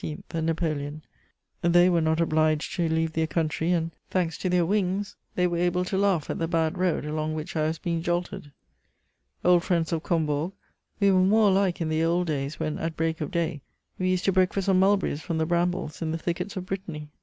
and Napoleon: they were not obliged to leave their country and, thanks to their wings, they were able to laugh at the bad road along which I was being jolted. Old friends of Combourg, we were more alike in the old days when, at break of day, we used to breakfast on mulberries from the brambles in the thickets of Brittany!